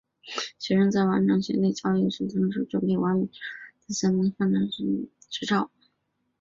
学生在完成学历教育的同时可以准备美国商船队的三副或三管轮执照。